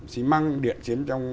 xí măng điện chiếm trong